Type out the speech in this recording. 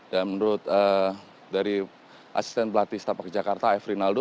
dan menurut dari asisten pelatih setapak jakarta f rinaldo